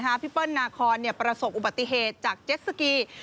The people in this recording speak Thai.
เพราะว่าพี่เปิ้ลนาคอนเนี่ยประสบอุบัติเหตุจากเจ็ดสกี